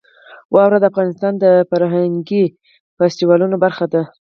واوره د افغانستان د فرهنګي فستیوالونو برخه ده.